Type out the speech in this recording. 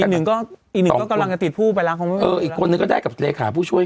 หนึ่งก็อีกหนึ่งก็กำลังจะติดผู้ไปแล้วเอออีกคนนึงก็ได้กับเลขาผู้ช่วย